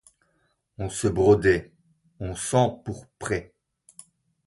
On se brodait, on s’empourprait.